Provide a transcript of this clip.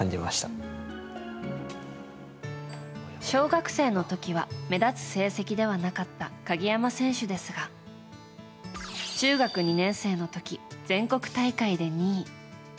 小学生の時は目立つ成績ではなかった鍵山選手ですが中学２年生の時、全国大会で２位。